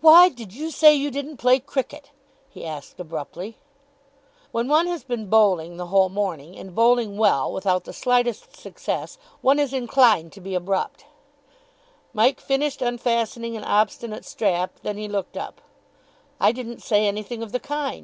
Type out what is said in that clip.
"Why did you say you didn't play cricket?" he asked abruptly. [Illustration: "WHY DID YOU SAY YOU DIDN'T PLAY CRICKET?" HE ASKED] When one has been bowling the whole morning, and bowling well, without the slightest success, one is inclined to be abrupt. Mike finished unfastening an obstinate strap. Then he looked up. "I didn't say anything of the kind.